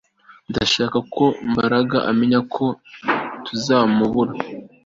Ndashaka ko Mbaraga amenya ko tuzamubura